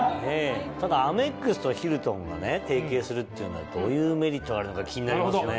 ただアメックスとヒルトンがね提携するっていうのはどういうメリットがあるのか気になりますね。